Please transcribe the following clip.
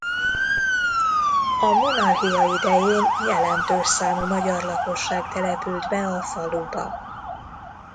A Monarchia idején jelentős számú magyar lakosság települt be a faluba.